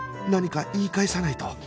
何か言い返さないと